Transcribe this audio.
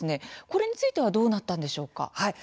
これについてはどうなったんでしょうか。